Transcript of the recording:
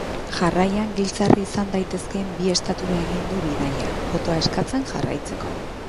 Jarraian giltzarri izan daitezkeen bi estatura egin du bidaia, botoa eskatzen jarraitzeko.